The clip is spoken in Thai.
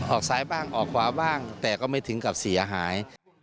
ออกซ้ายบ้างออกขวาบ้างแต่ก็ไม่ถึงกับเสียหาย